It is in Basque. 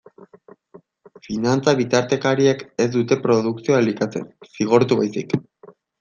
Finantza-bitartekariek ez dute produkzioa elikatzen, zigortu baizik.